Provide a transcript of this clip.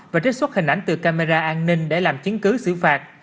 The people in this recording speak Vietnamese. và trích xuất hình ảnh từ camera an ninh để làm chứng cứ xử phạt